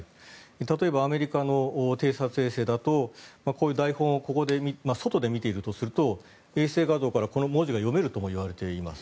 例えば、アメリカの偵察衛星だとこういう台本を外で見ているとすると衛星画像からこの文字が読めるとも言われています。